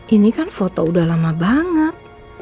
ini kan foto udah lama banget